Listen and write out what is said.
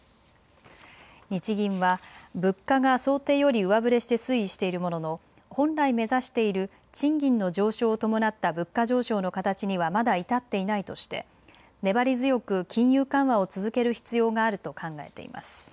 日銀は物価が想定より上振れして推移しているものの本来目指している賃金の上昇を伴った物価上昇の形にはまだ至っていないとして粘り強く金融緩和を続ける必要があると考えています。